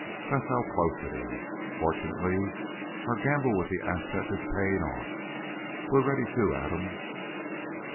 That's how close it is. Fortunately our gamble with the Aztec is paying off. We're ready, too, Adam.